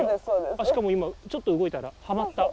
しかも今ちょっと動いたらはまった。